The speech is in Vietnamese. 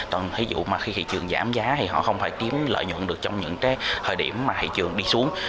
ví dụ khi thị trường giảm giá thì họ không thể kiếm lợi nhuận được trong những thời điểm mà thị trường đi xuống